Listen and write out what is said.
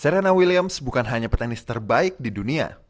serena williams bukan hanya petenis terbaik di dunia